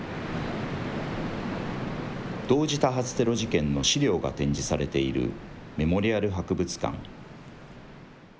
同時多発テロ事件の資料が展示されているメモリアル博物館。